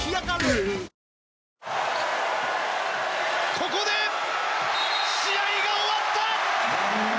ここで試合が終わった！